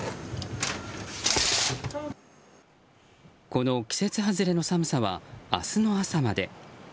この季節外れの寒さは明日の朝まで。